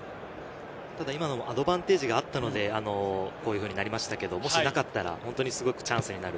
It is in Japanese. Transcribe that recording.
今のアドバンテージがあったので、こういうふうになりましたけど、もしなかったら本当にすごくチャンスになる。